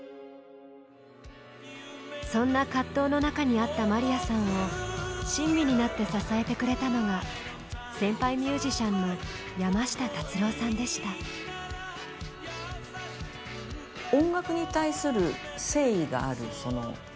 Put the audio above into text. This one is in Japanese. そんな葛藤の中にあったまりやさんを親身になって支えてくれたのが先輩ミュージシャンの歌手活動の休止と同時に結婚。